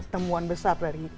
temuan besar dari